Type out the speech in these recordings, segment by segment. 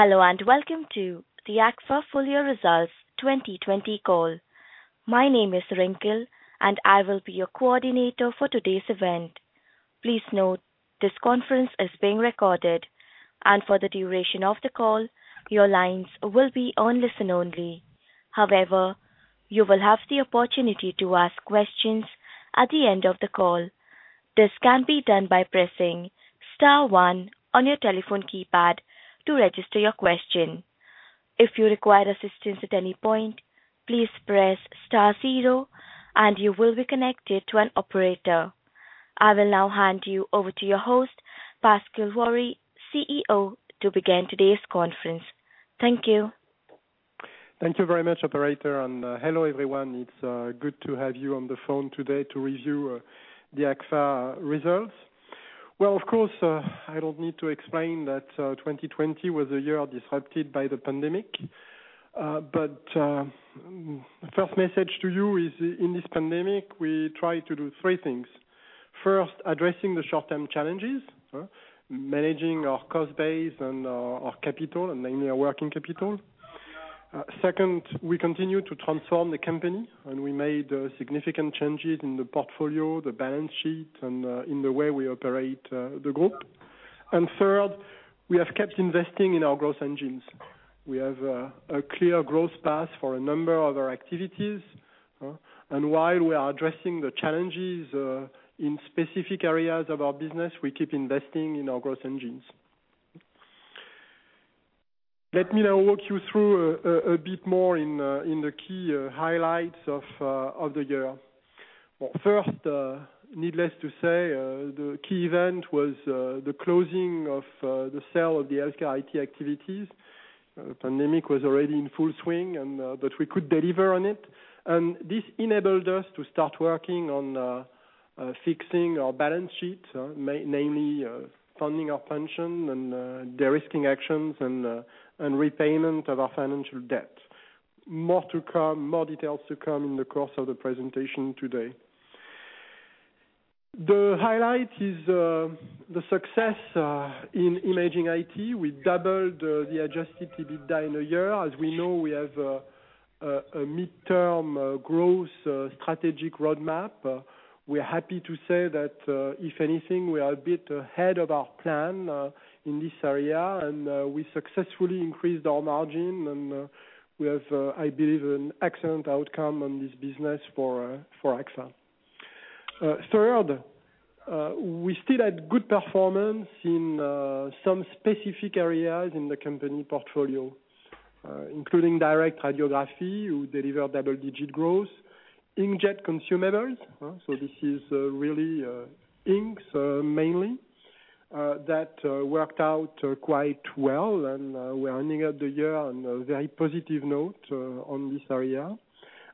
Hello, welcome to the Agfa full-year results 2020 call. My name is Rinkel, and I will be your coordinator for today's event. Please note this conference is being recorded, and for the duration of the call, your lines will be on listen-only. However, you will have the opportunity to ask questions at the end of the call. This can be done by pressing star one on your telephone keypad to register your question. If you require assistance at any point, please press star zero and you will be connected to an operator. I will now hand you over to your host, Pascal Juéry, CEO, to begin today's conference. Thank you. Thank you very much, operator. Hello, everyone. It's good to have you on the phone today to review the Agfa results. Well, of course, I don't need to explain that 2020 was a year disrupted by the pandemic. First message to you is, in this pandemic, we try to do three things. First, addressing the short-term challenges. Managing our cost base and our capital, and mainly our working capital. Second, we continue to transform the company, and we made significant changes in the portfolio, the balance sheet, and in the way we operate the group. Third, we have kept investing in our growth engines. We have a clear growth path for a number of our activities. While we are addressing the challenges in specific areas of our business, we keep investing in our growth engines. Let me now walk you through a bit more in the key highlights of the year. First, needless to say, the key event was the closing of the sale of the HealthCare IT activities. Pandemic was already in full swing. We could deliver on it. This enabled us to start working on fixing our balance sheet, namely funding our pension and de-risking actions and repayment of our financial debt. More details to come in the course of the presentation today. The highlight is the success in Imaging IT. We doubled the adjusted EBITDA in a year. As we know, we have a mid-term growth strategic roadmap. We are happy to say that, if anything, we are a bit ahead of our plan in this area, and we successfully increased our margin. We have, I believe, an excellent outcome on this business for Agfa. Third, we still had good performance in some specific areas in the company portfolio, including direct radiography. We delivered double-digit growth. Inkjet consumables, this is really inks mainly. That worked out quite well. We're ending up the year on a very positive note on this area.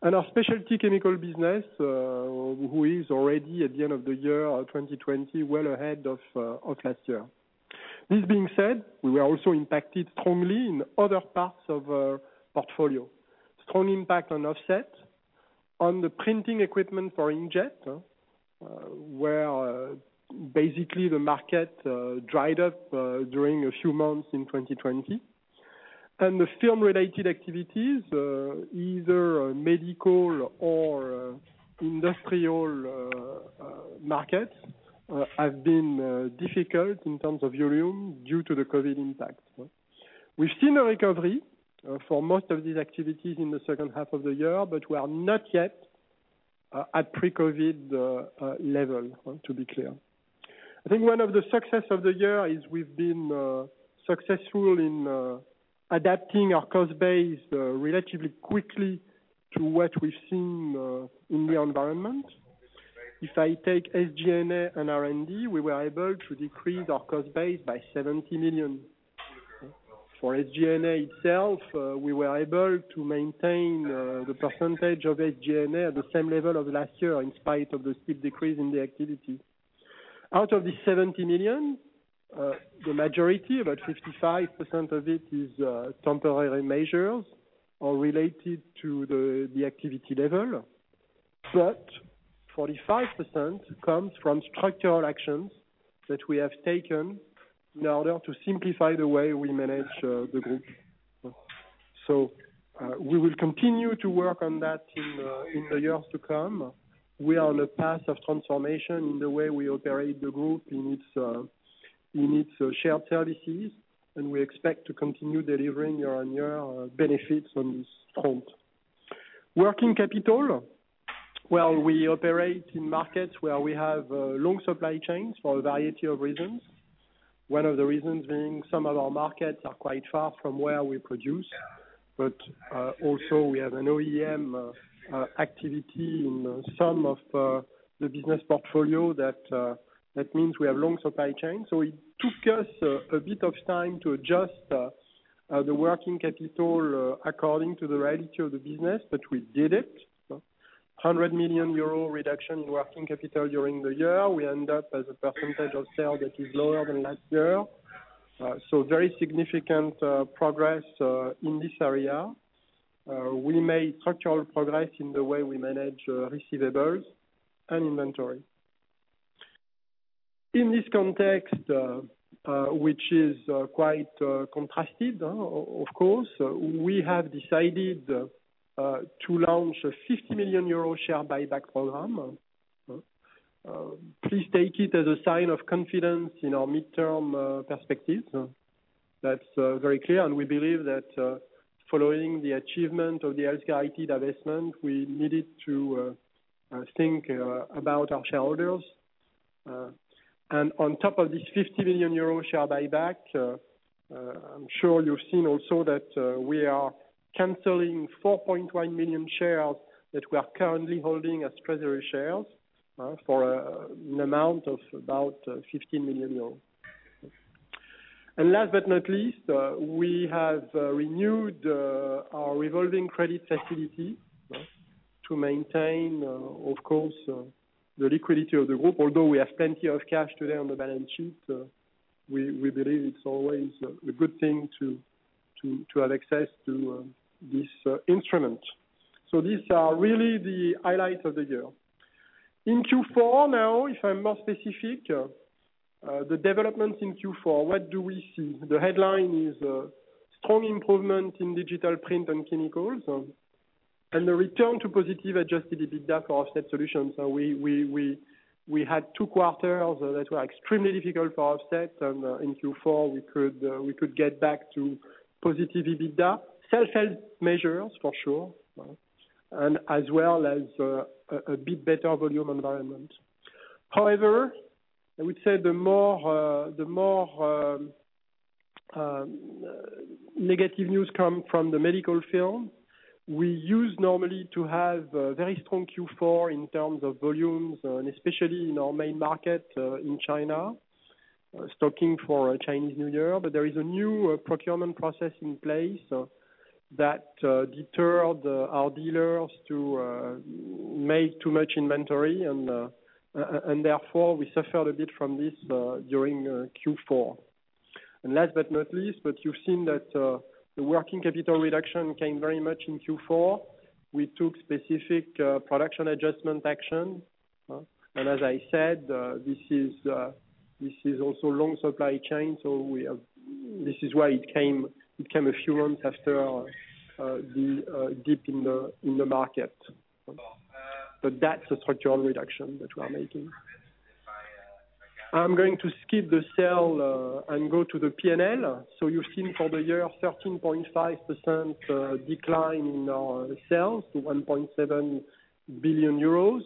Our specialty chemical business, who is already at the end of the year, 2020, is well ahead of last year. This being said, we were also impacted strongly in other parts of our portfolio. Strong impact on Offset, on the printing equipment for inkjet, where basically the market dried up during a few months in 2020. The film-related activities, either medical or industrial markets, have been difficult in terms of volume due to the COVID impact. We've seen a recovery for most of these activities in the second half of the year, but we are not yet at the pre-COVID level, to be clear. I think one of the success of the year is we've been successful in adapting our cost base relatively quickly to what we've seen in the environment. If I take SG&A and R&D, we were able to decrease our cost base by 70 million. For SG&A itself, we were able to maintain the percentage of SG&A at the same level of last year in spite of the steep decrease in the activity. Out of the 70 million, the majority, about 55% of it, is temporary measures or related to the activity level. 45% comes from structural actions that we have taken in order to simplify the way we manage the group. We will continue to work on that in the years to come. We are on a path of transformation in the way we operate the group in its shared services, and we expect to continue delivering year-over-year benefits on this front. Working capital. Well, we operate in markets where we have long supply chains for a variety of reasons. One of the reasons being some of our markets are quite far from where we produce. Also we have an OEM activity in some of the business portfolio that means we have long supply chain. It took us a bit of time to adjust the working capital according to the reality of the business, but we did it. 100 million euro reduction in working capital during the year. We end up as a percentage of sale that is lower than last year. Very significant progress in this area. We made structural progress in the way we manage receivables and inventory. In this context, which is quite contrasted, of course, we have decided to launch a 50 million euro share buyback program. Please take it as a sign of confidence in our midterm perspective. That's very clear. We believe that following the achievement of the HealthCare IT divestment, we needed to think about our shareholders. On top of this 50 million euro share buyback, I'm sure you've seen also that we are canceling 4.1 million shares that we are currently holding as treasury shares for an amount of about 15 million euros. Last but not least, we have renewed our revolving credit facility to maintain, of course, the liquidity of the group. Although we have plenty of cash today on the balance sheet, we believe it's always a good thing to have access to this instrument. These are really the highlights of the year. In Q4 now, if I'm more specific, the developments in Q4, what do we see? The headline is a strong improvement in Digital Print & Chemicals, and the return to positive adjusted EBITDA for Offset Solutions. We had two quarters that were extremely difficult for Offset, and in Q4 we could get back to positive EBITDA. Self-help measures, for sure, and as well as a bit better volume environment. I would say the more negative news come from the medical field. We used, normally, to have a very strong Q4 in terms of volumes, and especially in our main market in China, stocking for Chinese New Year. There is a new procurement process in place that deterred our dealers to make too much inventory and, therefore, we suffered a bit from this during Q4. Last but not least, you've seen that the working capital reduction came very much in Q4. We took specific production adjustment action. As I said, this is also long supply chain, so this is why it came a few months after the dip in the market. That's a structural reduction that we are making. I'm going to skip the sale and go to the P&L. You've seen for the year, 13.5% decline in our sales to 1.7 billion euros.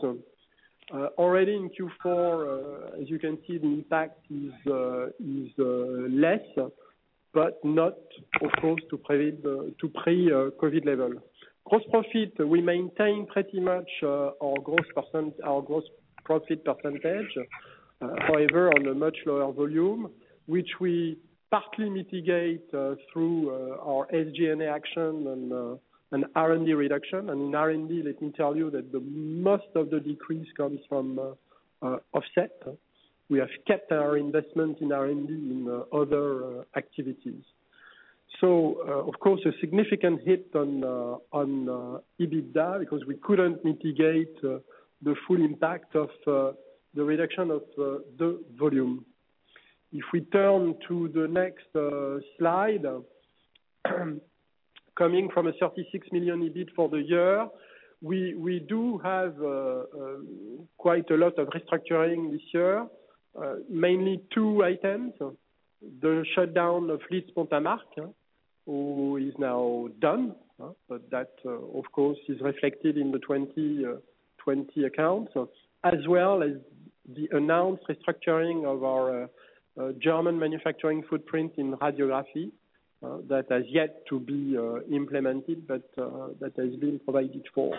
Already in Q4, as you can see, the impact is less, but not of course, to pre-COVID level. Gross profit, we maintain pretty much our gross profit percentage. However, on a much lower volume, which we partly mitigate through our SG&A action and R&D reduction. R&D, let me tell you that the most of the decrease comes from Offset. We have kept our investment in R&D in other activities. Of course, a significant hit on EBITDA, because we couldn't mitigate the full impact of the reduction of the volume. If we turn to the next slide, coming from a 36 million EBIT for the year, we do have quite a lot of restructuring this year. Mainly two items. The shutdown of Leeds and Pont-à-Marcq, who is now done. That, of course, is reflected in the 2020 accounts, as well as the announced restructuring of our German manufacturing footprint in radiography. That has yet to be implemented, but that has been provided for.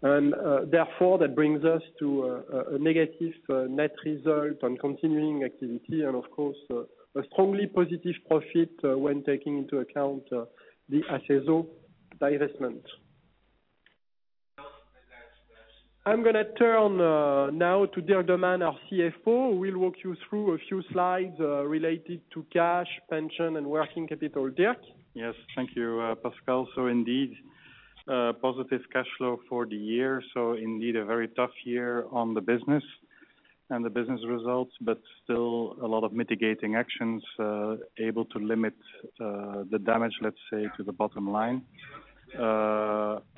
Therefore, that brings us to a negative net result on continuing activity and, of course, a strongly positive profit when taking into account the Dedalus divestment. I'm going to turn now to Dirk De Man, our CFO, who will walk you through a few slides related to cash, pension and working capital. Dirk? Yes. Thank you, Pascal. Indeed, positive cash flow for the year. Indeed, a very tough year on the business and the business results, but still a lot of mitigating actions able to limit the damage, let's say, to the bottom line.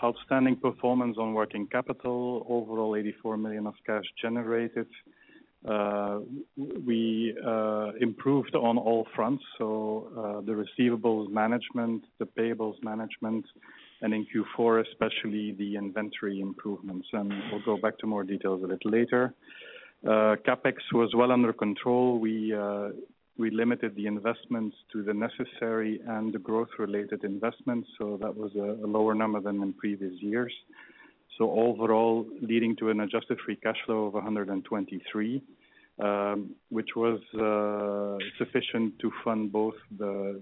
Outstanding performance on working capital. Overall, 84 million of cash was generated. We improved on all fronts, so the receivables management, the payables management, and in Q4, especially, the inventory improvements. We'll go back to more details a little later. CapEx was well under control. We limited the investments to the necessary and the growth-related investments, that was a lower number than in previous years. Overall, leading to an adjusted free cash flow of 123, which was sufficient to fund both the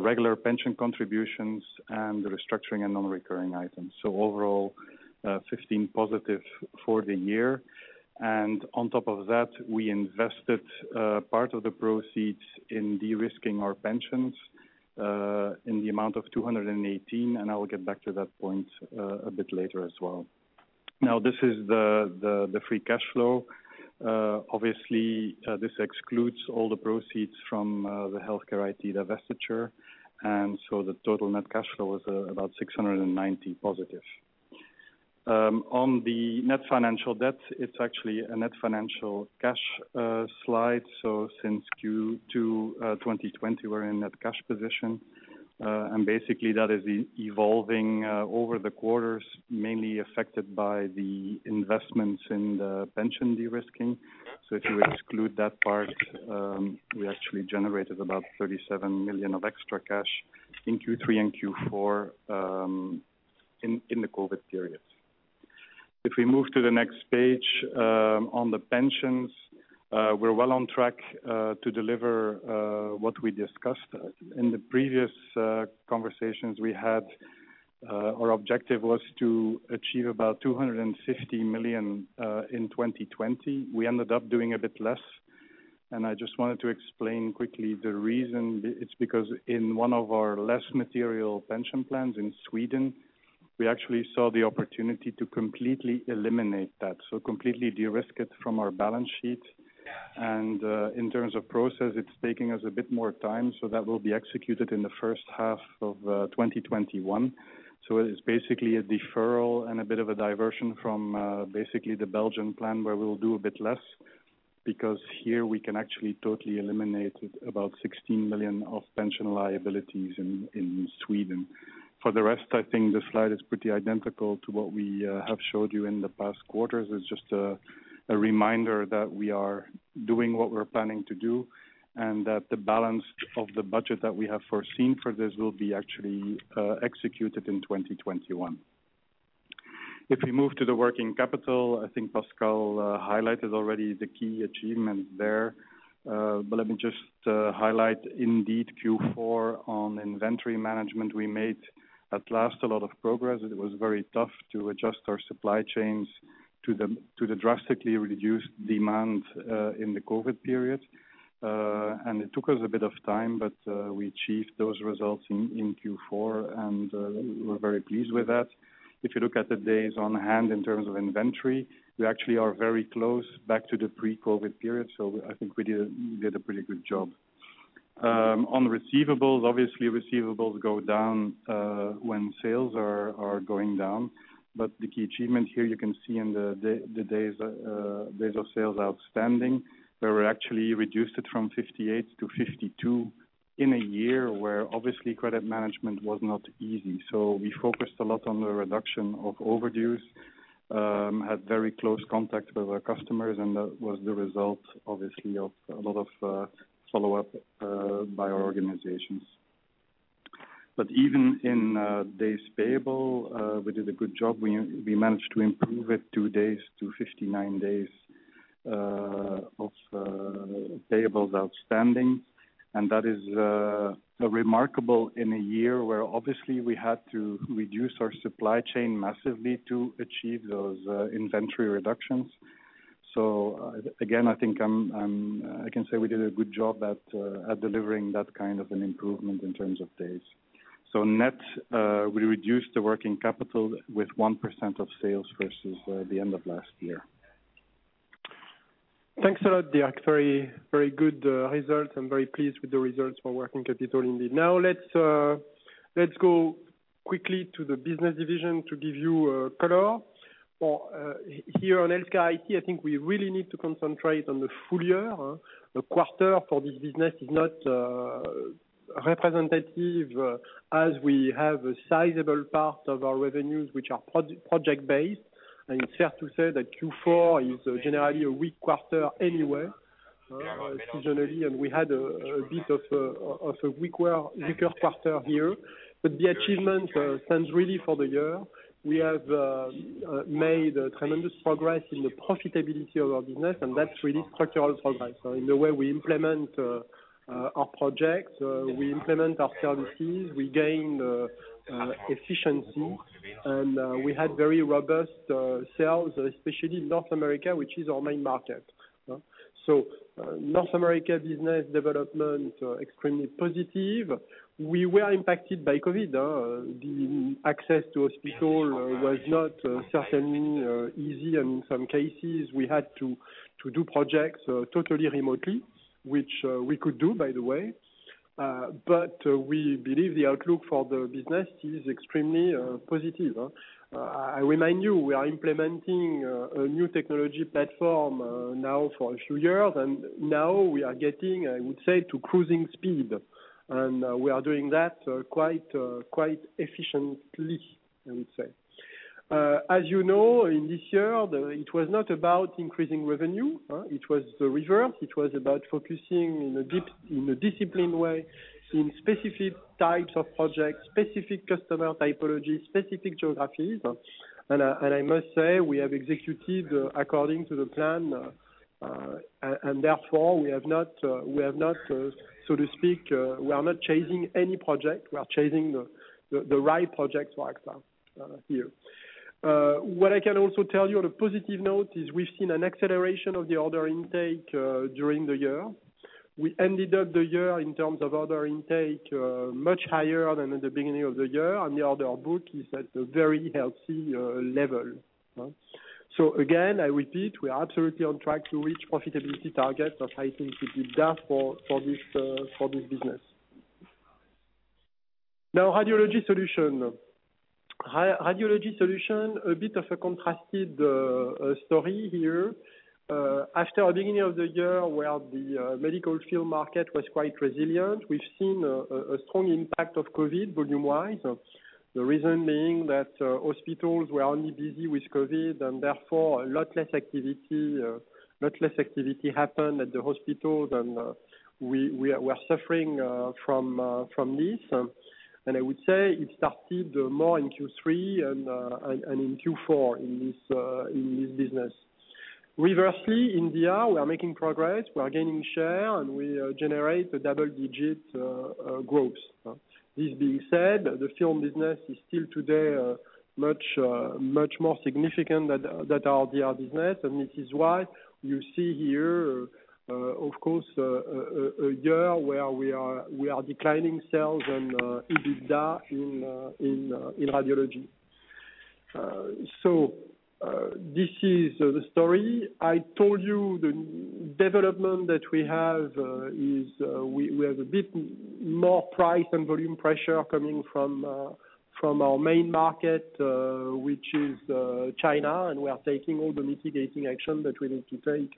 regular pension contributions and the restructuring and non-recurring items. Overall, +15 for the year. On top of that, we invested part of the proceeds in de-risking our pensions. In the amount of 218, and I will get back to that point a bit later as well. Now, this is the free cash flow. Obviously, this excludes all the proceeds from the HealthCare IT divestiture. The total net cash flow is about +690. On the net financial debt, it's actually a net financial cash slide. Since Q2 2020, we're in net cash position. Basically, that is evolving over the quarters, mainly affected by the investments in the pension de-risking. If you exclude that part, we actually generated about 37 million of extra cash in Q3 and Q4, in the COVID period. If we move to the next page, on the pensions, we're well on track to deliver what we discussed. In the previous conversations we had, our objective was to achieve about 250 million in 2020. We ended up doing a bit less. I just wanted to explain quickly the reason. It's because in one of our less material pension plans in Sweden, we actually saw the opportunity to completely eliminate that, so completely de-risk it from our balance sheet. In terms of process, it's taking us a bit more time, so that will be executed in the first half of 2021. It is basically a deferral and a bit of a diversion from basically the Belgian plan, where we'll do a bit less. Here, we can actually totally eliminate about 16 million of pension liabilities in Sweden. For the rest, I think the slide is pretty identical to what we have shown you in the past quarters. It's just a reminder that we are doing what we're planning to do, and that the balance of the budget that we have foreseen for this will be actually executed in 2021. If we move to the working capital, I think Pascal highlighted already the key achievement there. Let me just highlight indeed Q4 on inventory management. We made at last a lot of progress. It was very tough to adjust our supply chains to the drastically reduced demand in the COVID period. It took us a bit of time, but we achieved those results in Q4, and we're very pleased with that. If you look at the days on hand in terms of inventory, we actually are very close back to the pre-COVID period. I think we did a pretty good job. On receivables, obviously, receivables go down when sales are going down. The key achievement here, you can see in the days of sales outstanding, where we actually reduced it from 58 to 52 in a year where obviously credit management was not easy. We focused a lot on the reduction of overdues, had very close contact with our customers, and that was the result, obviously, of a lot of follow-ups by our organizations. Even in days payable, we did a good job. We managed to improve it 2 days-59 days of payables outstanding. That is remarkable in a year where, obviously, we had to reduce our supply chain massively to achieve those inventory reductions. Again, I think I can say we did a good job at delivering that kind of an improvement in terms of days. Net, we reduced the working capital with 1% of sales versus the end of last year. Thanks a lot, Dirk. Very good results. I'm very pleased with the results for working capital indeed. Let's go quickly to the business division to give you color. Here on HealthCare IT, I think we really need to concentrate on the full year. A quarter for this business is not representative, as we have a sizable part of our revenues which are project-based. It's fair to say that Q4 is generally a weak quarter anyway, seasonally, and we had a bit of a weaker quarter here. The achievement stands really for the year. We have made tremendous progress in the profitability of our business, and that's really structural progress in the way we implement our projects, we implement our services, we gain efficiency. We had very robust sales, especially in North America, which is our main market. North America business development extremely positive. We were impacted by COVID. The access to the hospital was not certainly easy and in some cases, we had to do projects totally remotely, which we could do, by the way. We believe the outlook for the business is extremely positive. I remind you, we are implementing a new technology platform now for a few years, and now we are getting, I would say, to cruising speed. We are doing that quite efficiently, I would say. As you know, in this year, it was not about increasing revenue. It was the reverse. It was about focusing in a disciplined way in specific types of projects, specific customer typologies, specific geographies. I must say that we have executed according to the plan. Therefore, we are not chasing any project. We are chasing the right projects for Agfa here. What I can also tell you on a positive note is we've seen an acceleration of the order intake during the year. We ended up the year, in terms of order intake, much higher than at the beginning of the year, and the order book is at a very healthy level. Again, I repeat, we are absolutely on track to reach the profitability target of 18% EBITDA for this business. Radiology Solutions. Radiology Solutions, a bit of a contrasted story here. After a beginning of the year where the medical field market was quite resilient, we've seen a strong impact of COVID volume-wise. The reason being that hospitals were only busy with COVID, and therefore, a lot less activity happened at the hospitals, and we are suffering from this. I would say it started more in Q3 and in Q4 in this business. Reversely, in DR we are making progress, we are gaining share, and we generate a double-digit growth. This being said, the film business is still today much more significant than our DR business, and this is why you see here, of course, a year where we are declining sales and EBITDA in Radiology. This is the story. I told you the development that we have is we have a bit more price and volume pressure coming from our main market, which is China, and we are taking all the mitigating action that we need to take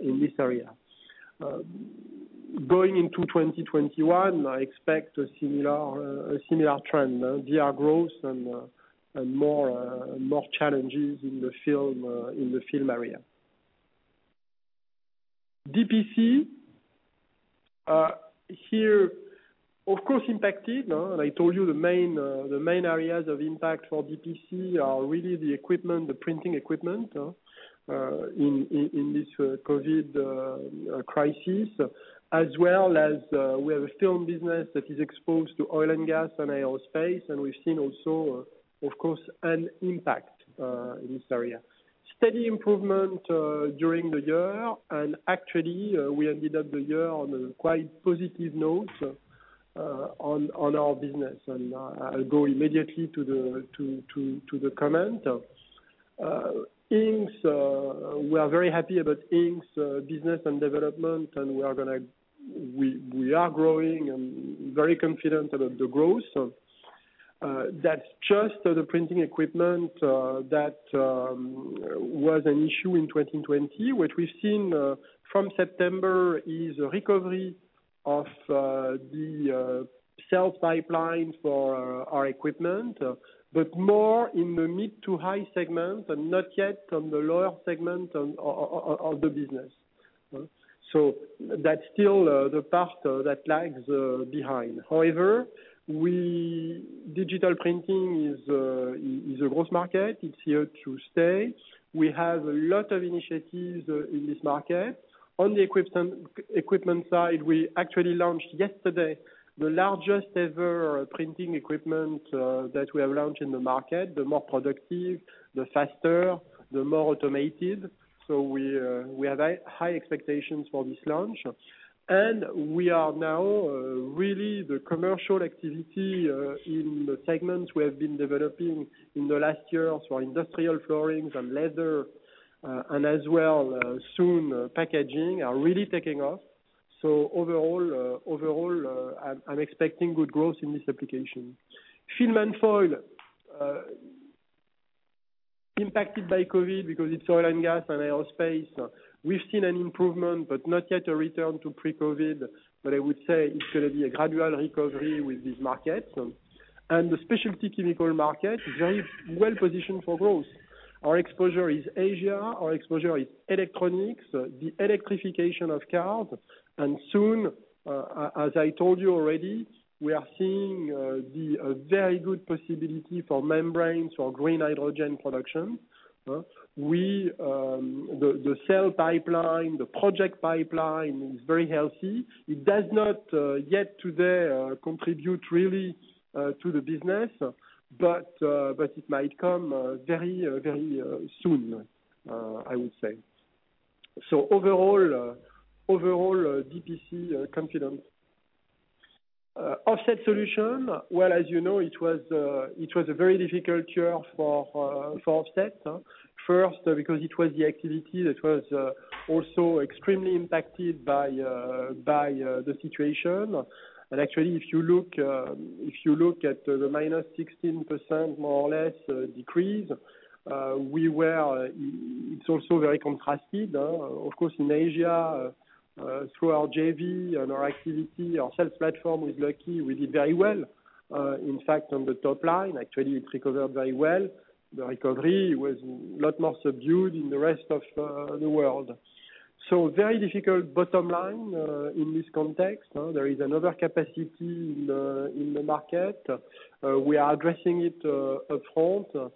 in this area. Going into 2021, I expect a similar trend. DR growth and more challenges in the film area. DPC, here, of course impacted. I told you the main areas of impact for DPC are really the equipment, the printing equipment in this COVID crisis, as well as we have a film business that is exposed to oil and gas and aerospace, and we've seen also, of course, an impact in this area. Steady improvement during the year. Actually, we ended up the year on a quite positive note on our business. I'll go immediately to the comment. Inks, we are very happy about inks business and development, and we are growing and very confident about the growth. That's just the printing equipment that was an issue in 2020. What we've seen from September is a recovery of the sales pipeline for our equipment, but more in the mid to high segment and not yet on the lower segment of the business. That's still the part that lags behind. Digital printing is a growth market. It's here to stay. We have a lot of initiatives in this market. On the equipment side, we actually launched yesterday the largest ever printing equipment that we have launched in the market, the more productive, the faster, the more automated. We have high expectations for this launch. We are now really the commercial activity in the segments we have been developing in the last year for industrial floorings and leather, and as well, soon packaging are really taking off. Overall, I'm expecting good growth in this application. Film and foil, impacted by COVID because it's oil and gas and aerospace. We've seen an improvement, but not yet a return to pre-COVID. I would say it's going to be a gradual recovery with this market. The specialty chemical market, very well positioned for growth. Our exposure is Asia, our exposure is electronics, the electrification of cars. Soon, as I told you already, we are seeing the very good possibility for membranes for green hydrogen production. The sales pipeline, the project pipeline is very healthy. It does not yet today contribute really to the business, but it might come very soon, I would say. Overall, DPC is confident. Offset Solutions. As you know, it was a very difficult year for Offset. First, because it was the activity that was also extremely impacted by the situation. Actually, if you look at the -16%, more or less, decrease, it's also very contrasted. Of course, in Asia, through our JV and our activity, our sales platform with Lucky, we did very well. In fact, on the top line, actually, it recovered very well. The recovery was a lot more subdued in the rest of the world. Very difficult bottom line in this context. There is overcapacity in the market. We are addressing it upfront.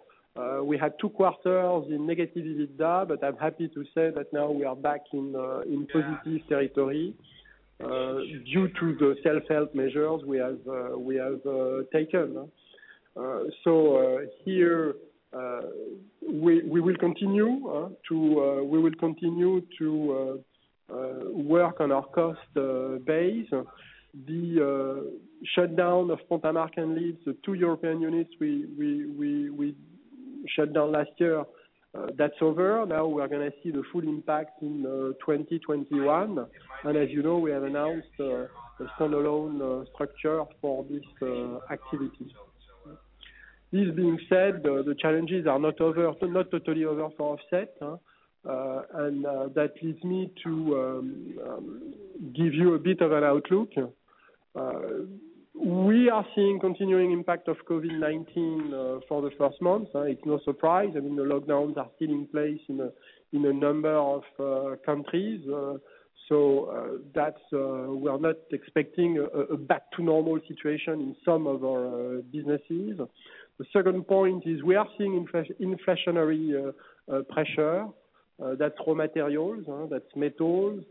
We had two quarters in negative EBITDA, but I'm happy to say that now we are back in positive territory due to the self-help measures we have taken. Here we will continue to work on our cost base. The shutdown of Pont-à-Marcq and Leeds, the two European units we shut down last year, that's over. Now we are going to see the full impact in 2021. As you know, we have announced a standalone structure for this activity. This being said, the challenges are not totally over for Offset. That leads me to give you a bit of an outlook. We are seeing continuing impact of COVID-19 for the first month. It's no surprise. I mean, the lockdowns are still in place in a number of countries. We are not expecting a back-to-normal situation in some of our businesses. The second point is we are seeing inflationary pressure. That's raw materials, that's metals,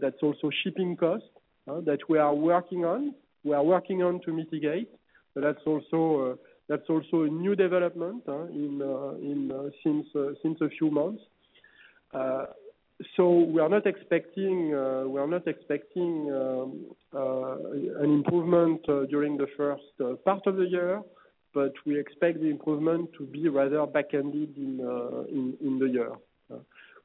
that's also shipping costs that we are working on to mitigate. That's also a new development since a few months. We are not expecting an improvement during the first part of the year, but we expect the improvement to be rather back-ended in the year.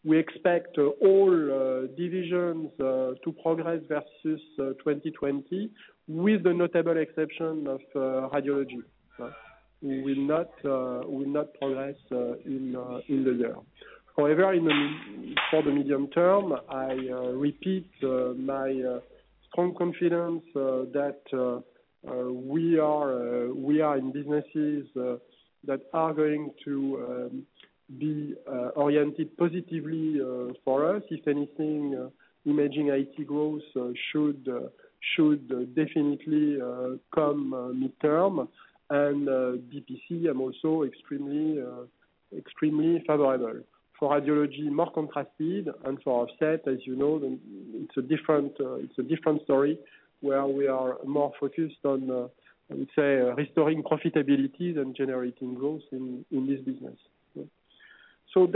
We expect all divisions to progress versus 2020, with the notable exception of Radiology. We will not progress in the year. However, for the medium term, I repeat my strong confidence that we are in businesses that are going to be oriented positively for us. If anything, imaging IT growth should definitely come midterm. DPC, I'm also extremely favorable. For Radiology, more contrasted, for Offset, as you know, it's a different story, where we are more focused on, let's say, restoring profitability than generating growth in this business.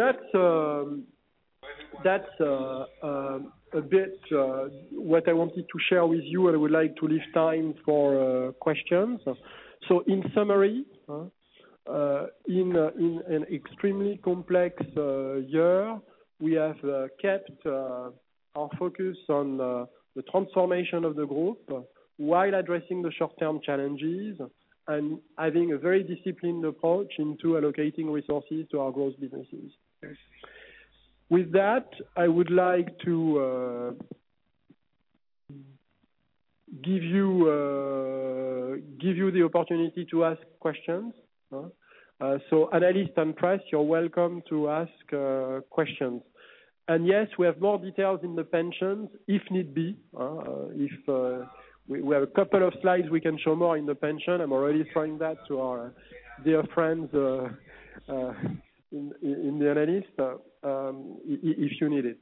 That's a bit what I wanted to share with you, and I would like to leave time for questions. In summary, in an extremely complex year, we have kept our focus on the transformation of the group while addressing the short-term challenges and having a very disciplined approach into allocating resources to our growth businesses. With that, I would like to give you the opportunity to ask questions. Analysts and press, you're welcome to ask questions. Yes, we have more details in the pensions, if need be. We have a couple of slides we can show more in the pension. I'm already showing that to our dear friends in the analysts, if you need it.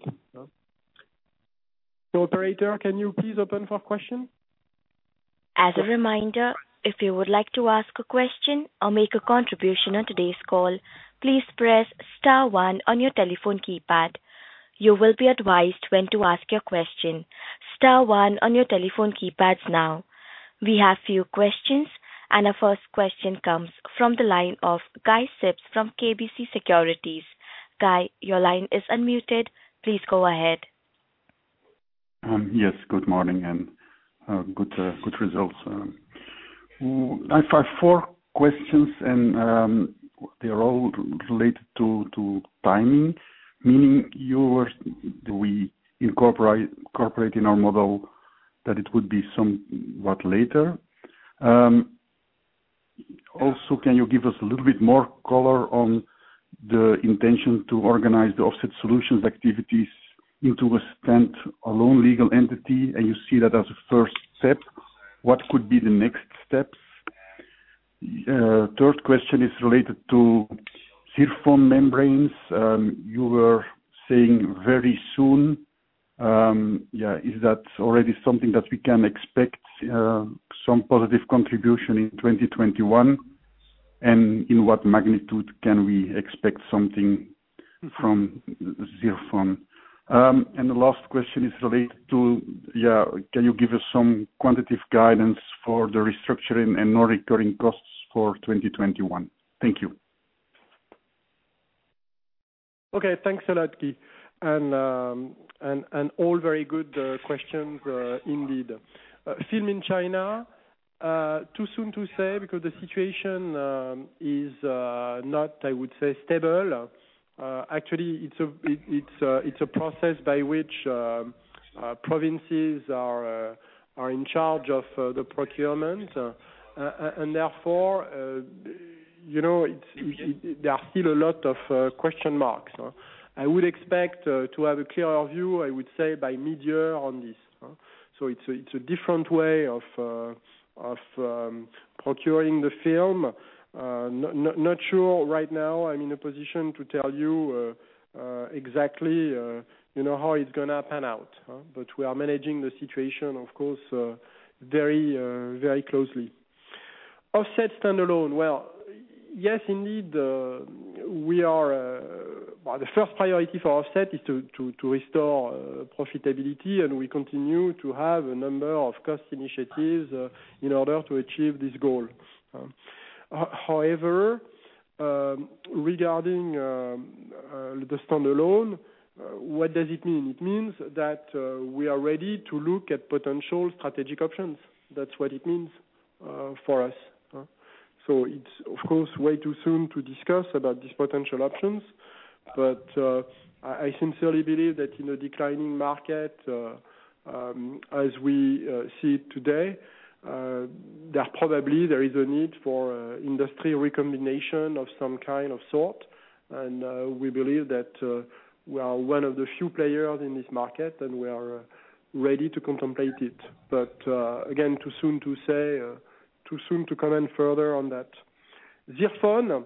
Operator, can you please open for question? As a reminder, if you would like to ask a question or make a contribution on today's call, please press star one on your telephone keypad. You will be advised when to ask your question. Star one on your telephone keypads now. We have a few questions. Our first question comes from the line of Guy Sips from KBC Securities. Guy, your line is unmuted. Please go ahead. Yes, good morning and good results. I have four questions, they're all related to timing, meaning we incorporate in our model that it would be somewhat later. Can you give us a little bit more color on the intention to organize the Offset Solutions activities into a standalone legal entity, you see that as a first step? What could be the next steps? Third question is related to ZIRFON membranes. You were saying very soon. Is that already something that we can expect some positive contribution in 2021? In what magnitude can we expect something from ZIRFON? The last question is related to, can you give us some quantitative guidance for the restructuring and non-recurring costs for 2021? Thank you. Okay, thanks a lot, Guy. All very good questions indeed. Film in China, too soon to say because the situation is not, I would say, stable. Actually, it's a process by which provinces are in charge of the procurement, and therefore there are still a lot of question marks. I would expect to have a clearer view, I would say, by mid-year on this. It's a different way of procuring the film. Not sure right now I'm in a position to tell you exactly how it's going to pan out, but we are managing the situation, of course, very closely. Offset standalone. Well, yes, indeed. The first priority for Offset is to restore profitability, and we continue to have a number of cost initiatives in order to achieve this goal. However, regarding the standalone, what does it mean? It means that we are ready to look at potential strategic options. That's what it means for us. It's, of course, way too soon to discuss about these potential options, but I sincerely believe that in a declining market, as we see it today, that probably there is a need for industry recombination of some kind of sort, and we believe that we are one of the few players in this market, and we are ready to contemplate it. Again, too soon to say, too soon to comment further on that. ZIRFON.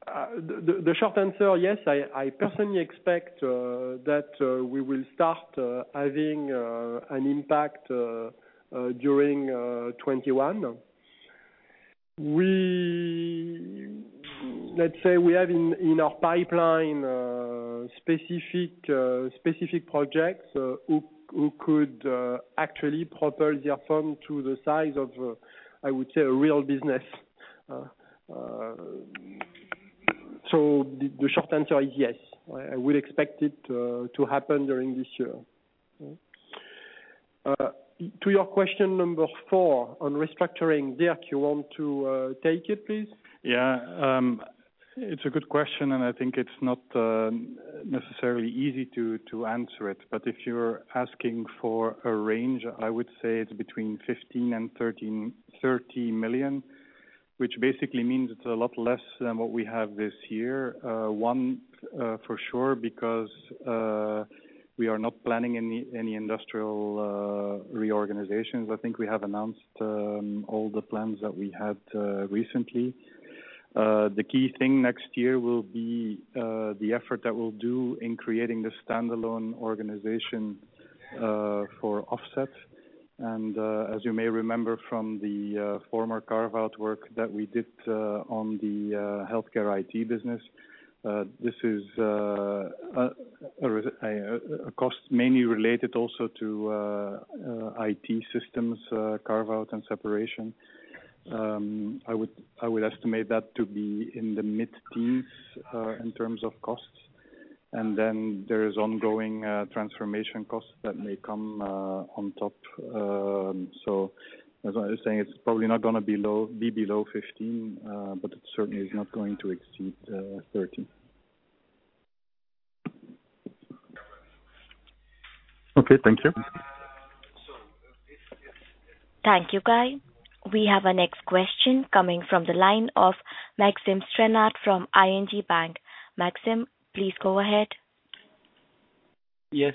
The short answer, yes, I personally expect that we will start having an impact during 2021. Let's say we have in our pipeline specific projects who could actually propel ZIRFON to the size of, I would say, a real business. The short answer is yes, I will expect it to happen during this year. To your question number four on restructuring, Dirk, you want to take it, please? Yeah. It's a good question. I think it's not necessarily easy to answer it. If you're asking for a range, I would say it's between 15 million and 30 million, which basically means it's a lot less than what we have this year. One, for sure, because we are not planning any industrial reorganizations. I think we have announced all the plans that we had recently. The key thing next year will be the effort that we'll do in creating this standalone organization for Offset. As you may remember from the former carve-out work that we did on the HealthCare IT business, this is a cost mainly related also to IT systems carve-out and separation. I would estimate that to be in the mid-teens in terms of costs. Then there is ongoing transformation costs that may come on top. As I was saying, it's probably not going to be below 15 million, but it certainly is not going to exceed 30 million. Okay. Thank you. Thank you, Guy. We have our next question coming from the line of Maxime Stranart from ING Bank. Maxime, please go ahead. Yes.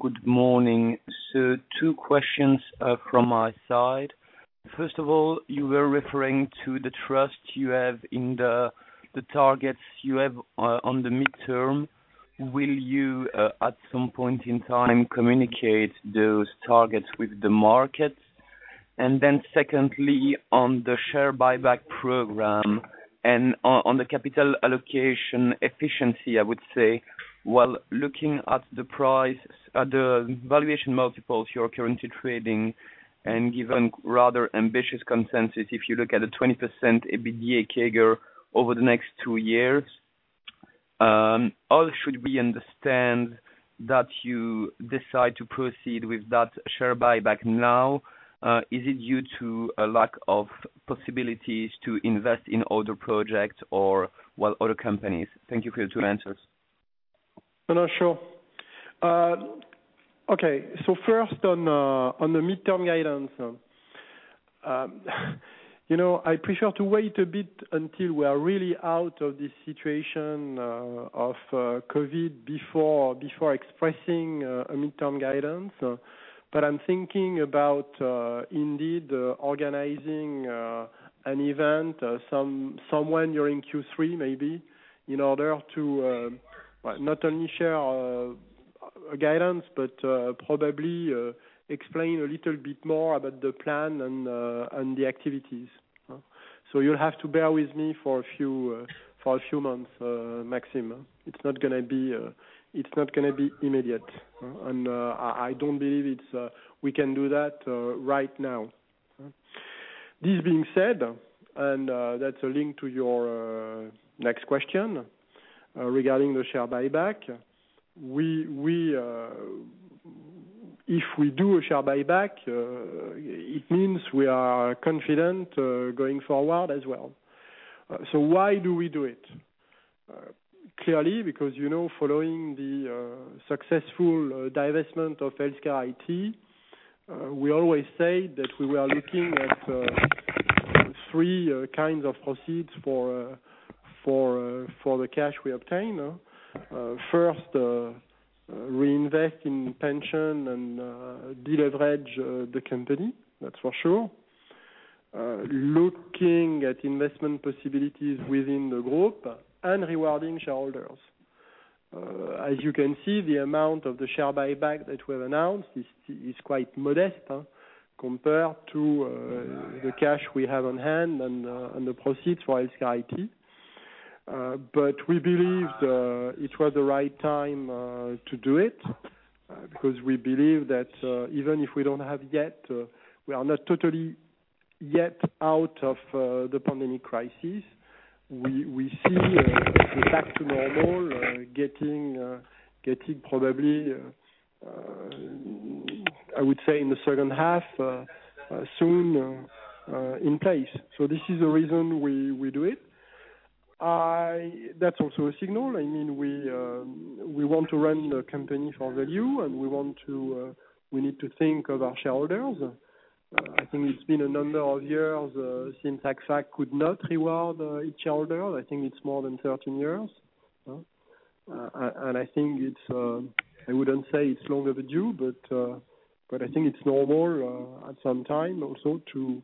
Good morning. Two questions from my side. First of all, you were referring to the trust you have in the targets you have on the midterm. Will you, at some point in time, communicate those targets with the market? Then secondly, on the share buyback program and on the capital allocation efficiency, I would say, while looking at the valuation multiples you are currently trading and given rather ambitious consensus, if you look at a 20% EBITDA CAGR over the next two years, how should we understand that you decide to proceed with that share buyback now? Is it due to a lack of possibilities to invest in other projects or, well, other companies? Thank you for your two answers. No, sure. Okay. First on the midterm guidance. I prefer to wait a bit until we are really out of this situation of COVID before expressing midterm guidance. I'm thinking about indeed organizing an event sometime during Q3, maybe, in order to not only share our guidance, but probably explain a little bit more about the plan and the activities. You'll have to bear with me for a few months, Maxime. It's not going to be immediate, and I don't believe we can do that right now. This being said, that's a link to your next question regarding the share buyback. If we do a share buyback, it means we are confident going forward as well. Why do we do it? Clearly, because following the successful divestment of HealthCare IT, we always say that we are looking at three kinds of proceeds for the cash we obtain. First, reinvest in pension and deleverage the company, that's for sure, looking at investment possibilities within the group and rewarding shareholders. As you can see, the amount of the share buyback that we've announced is quite modest compared to the cash we have on hand and the proceeds for HealthCare IT. We believed it was the right time to do it, because we believe that even if we are not totally yet out of the pandemic crisis, we see the back to normal getting probably, I would say, in the second half, soon in place. This is the reason we do it. That's also a signal. We want to run the company for value, and we need to think of our shareholders. I think it's been a number of years since Agfa could not reward its shareholders. I think it's more than 13 years. I wouldn't say it's long overdue, but I think it's normal at some time also to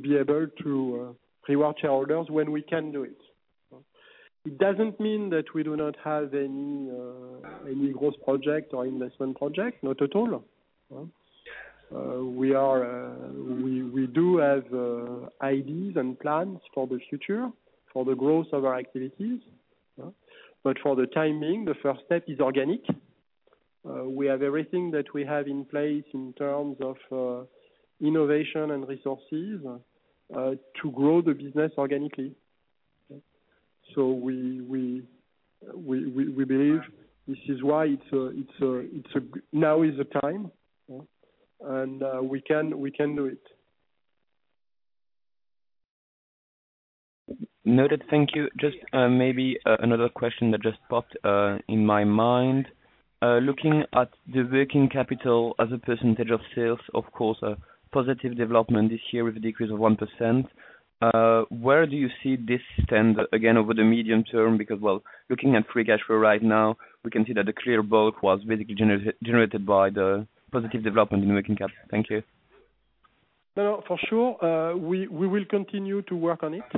be able to reward shareholders when we can do it. It doesn't mean that we do not have any growth projects or investment projects. Not at all. We do have ideas and plans for the future for the growth of our activities. For the time being, the first step is organic. We have everything that we have in place in terms of innovation and resources to grow the business organically. We believe this is why now is the time, and we can do it. Noted. Thank you. Just maybe another question that just popped in my mind. Looking at the working capital as a percentage of sales, of course, a positive development this year with a decrease of 1%. Where do you see this stand again over the medium term? Because, well, looking at free cash flow right now, we can see that the clear bulk was basically generated by the positive development in working capital. Thank you. No, for sure we will continue to work on it.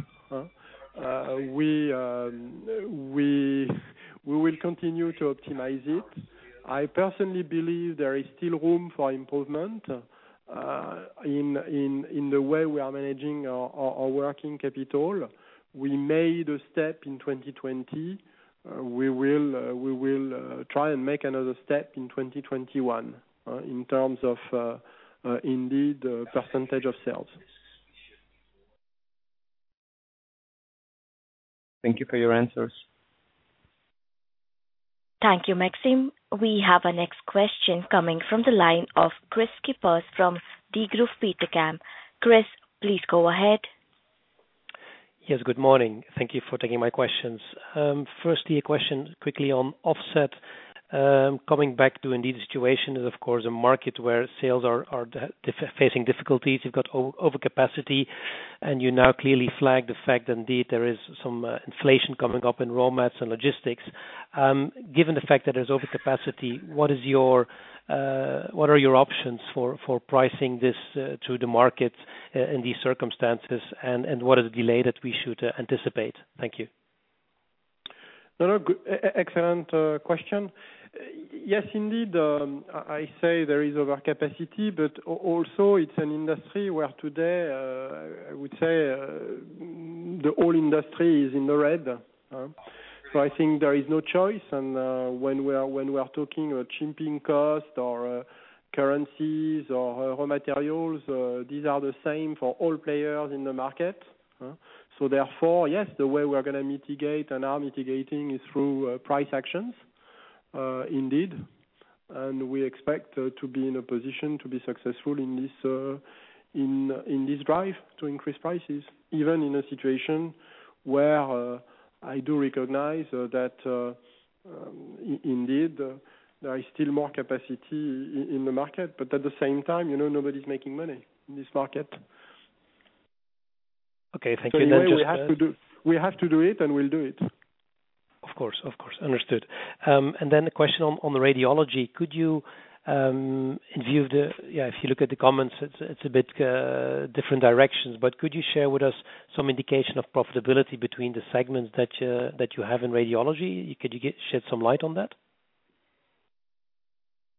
We will continue to optimize it. I personally believe there is still room for improvement in the way we are managing our working capital. We made a step in 2020. We will try and make another step in 2021 in terms of indeed percentage of sales. Thank you for your answers. Thank you, Maxime. We have our next question coming from the line of Kris Kippers from Degroof Petercam. Kris, please go ahead. Yes. Good morning. Thank you for taking my questions. Firstly, a question quickly on Offset. Coming back to indeed the situation is, of course, a market where sales are facing difficulties. You've got overcapacity, and you now clearly flag the fact indeed there is some inflation coming up in raw mats and logistics. Given the fact that there's overcapacity, what are your options for pricing this to the market in these circumstances, and what is the delay that we should anticipate? Thank you. Excellent question. Yes, indeed. I say there is overcapacity, but also it's an industry where today, I would say, the whole industry is in the red. I think there is no choice, and when we are talking shipping costs, currencies, or raw materials, these are the same for all players in the market. Therefore, yes, the way we are going to mitigate and are mitigating is through price actions indeed, and we expect to be in a position to be successful in this drive to increase prices, even in a situation where I do recognize that indeed there is still more capacity in the market. At the same time, nobody's making money in this market. Okay. Thank you. We have to do it, and we'll do it. Of course. Understood. A question on Radiology. If you look at the comments, it's a bit different direction, but could you share with us some indication of profitability between the segments that you have in Radiology? Could you shed some light on that?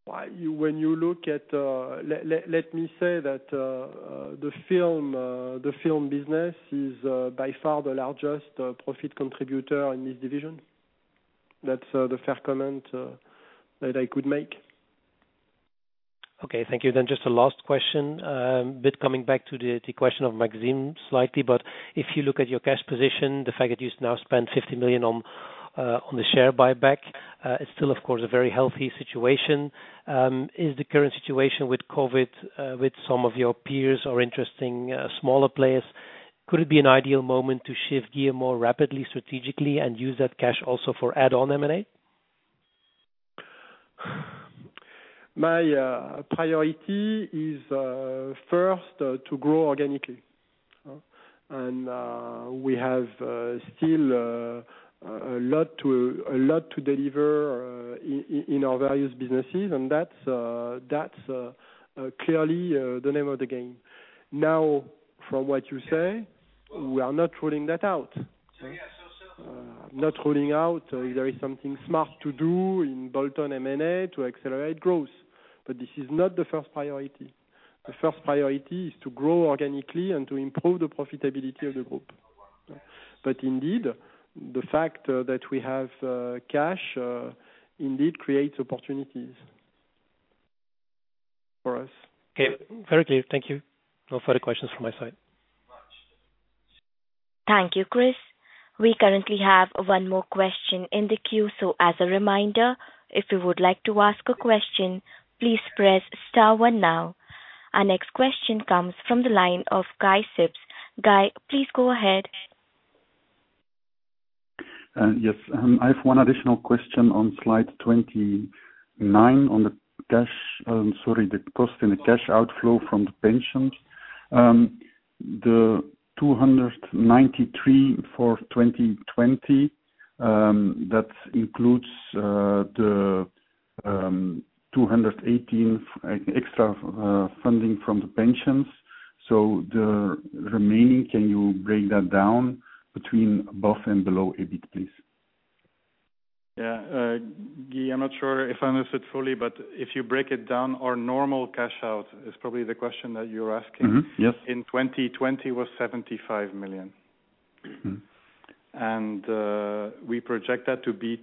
Let me say that the film business is by far the largest profit contributor in this division. That's a fair comment that I could make. Okay, thank you. Just a last question, a bit coming back to the question of Maxime slightly, but if you look at your cash position, the fact that you've now spent 50 million on the share buyback, it's still of course, a very healthy situation. Is the current situation with COVID with some of your peers or interesting smaller players? Could it be an ideal moment to shift gear more rapidly, strategically, and use that cash also for add-on M&A? My priority is first to grow organically, and we have still a lot to deliver in our various businesses, and that's clearly the name of the game. Now, from what you say, we are not ruling that out. I'm not ruling out there is something smart to do in bolt-on M&A to accelerate growth. This is not the first priority. The first priority is to grow organically and to improve the profitability of the group. Indeed, the fact that we have cash indeed creates opportunities for us. Okay. Very clear. Thank you. No further questions from my side. Thank you, Kris. We currently have one more question in the queue. As a reminder, if you would like to ask a question, please press star one now. Our next question comes from the line of Guy Sips. Guy, please go ahead. Yes. I have one additional question on slide 29 on the cost and the cash outflow from the pension. The 293 for 2020, that includes the 218 extra funding from the pensions. The remaining, can you break that down between above and below EBIT, please? Yeah. Guy, I'm not sure if I understood fully, but if you break it down, our normal cash out is probably the question that you're asking. Mm-hmm. Yes. In 2020 was 75 million. We project that to be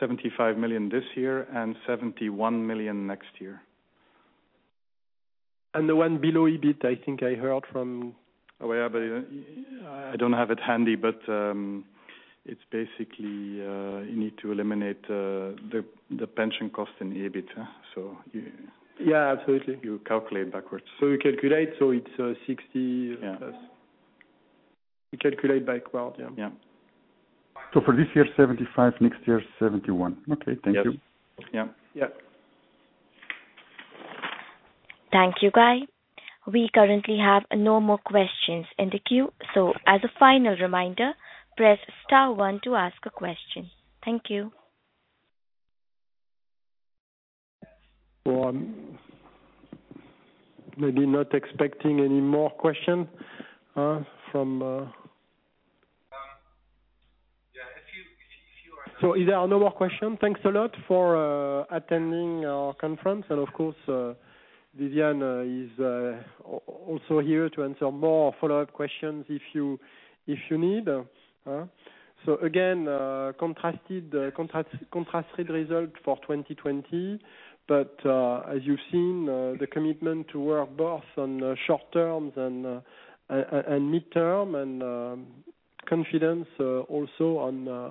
75 million this year and 71 million next year. The one below EBIT, I think I heard from- Oh, yeah, but I don't have it handy, but it's basically, you need to eliminate the pension cost and EBIT. Yeah, absolutely. You calculate backwards. We calculate it's 60 million+. Yeah. We calculate backward, yeah. Yeah. For this year, 75 million, next year, 71 million. Okay. Thank you. Yeah. Yeah. Thank you, Guy. We currently have no more questions in the queue. As a final reminder, press star one to ask a question. Thank you. Well, maybe not expecting any more questions from. Yeah, if you are- If there are no more questions, thanks a lot for attending our conference. Of course, Viviane is also here to answer more follow-up questions if you need. Again, a contrasted result for 2020, but as you've seen, the commitment to work both on short-term and mid-term, and confidence also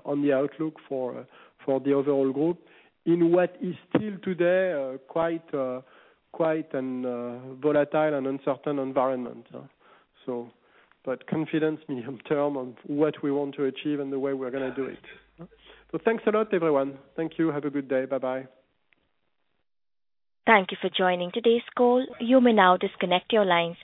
on the outlook for the overall group in what is still today quite a volatile and uncertain environment. Confidence in terms of what we want to achieve and the way we're going to do it. Thanks a lot, everyone. Thank you. Have a good day. Bye-bye. Thank you for joining today's call. You may now disconnect your lines.